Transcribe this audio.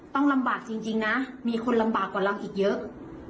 ต้องลำบากจริงนะมีคนลำบากกว่าเราอีกเยอะ